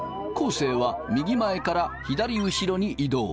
生は右前から左後ろに移動。